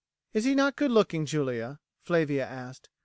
"Is he not good looking, Julia?" Flavia asked.